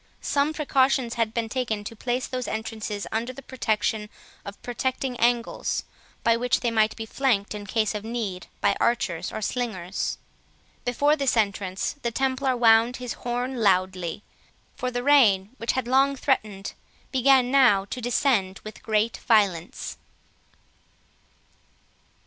Some precautions had been taken to place those entrances under the protection of projecting angles, by which they might be flanked in case of need by archers or slingers. Before this entrance the Templar wound his horn loudly; for the rain, which had long threatened, began now to descend with great violence.